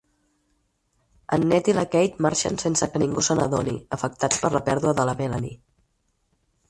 El Ned i la Kate marxen sense que ningú se n'adoni, afectats per la pèrdua de la Melanie.